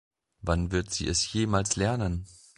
Wann wird sie es jemals lernen?